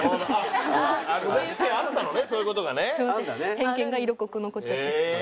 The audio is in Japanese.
偏見が色濃く残っちゃって。